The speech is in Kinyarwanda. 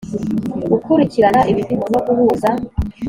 ukurikirana ibipimo no guhuza